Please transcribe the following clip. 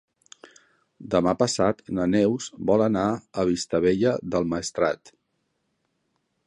Demà passat na Neus vol anar a Vistabella del Maestrat.